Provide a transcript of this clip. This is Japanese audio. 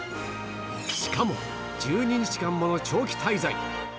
しかも、１２日間もの長期滞在。